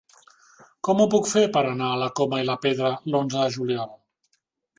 Com ho puc fer per anar a la Coma i la Pedra l'onze de juliol?